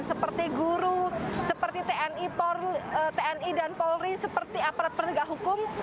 seperti guru seperti tni dan polri seperti aparat penegak hukum